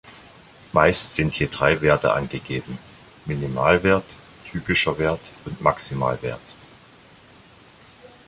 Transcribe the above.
Meist sind je drei Werte angegeben, Minimalwert, typischer Wert und Maximalwert.